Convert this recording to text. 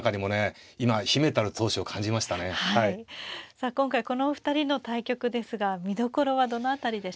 さあ今回このお二人の対局ですが見どころはどの辺りでしょうか。